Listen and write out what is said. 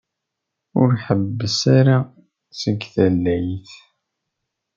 Ur ḥebbes ara seg tallayt.